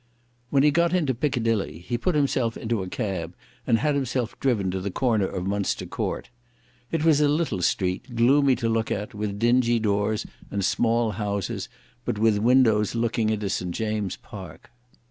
When he got into Piccadilly, he put himself into a cab, and had himself driven to the corner of Munster Court. It was a little street, gloomy to look at, with dingy doors and small houses, but with windows looking into St. James's Park.